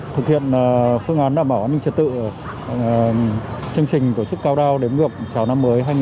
thực hiện phương án đảm bảo an ninh trật tự chương trình tổ chức cao đao đếm ngược chào năm mới hai nghìn hai mươi